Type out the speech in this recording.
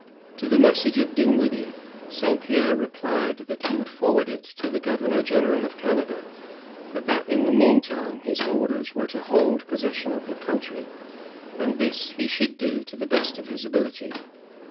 To the message of Dinwiddie, St. Pierre replied that he would forward it to the governor general of Canada; but that, in the mean time, his orders were to hold possession of the country, and this he should do to the best of his ability.